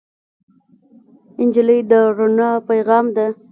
نجلۍ د رڼا پېغام ده.